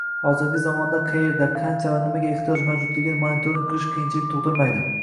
Hozirgi zamonda qayerda, qancha va nimaga ehtiyoj mavjudligini monitoring qilish qiyinchilik tug‘dirmaydi.